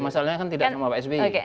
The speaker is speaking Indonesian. masalahnya kan tidak sama pak sby